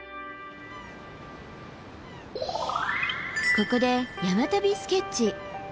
ここで山旅スケッチ！